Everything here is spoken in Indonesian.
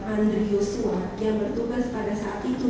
andriy yusua yang bertugas pada saat itu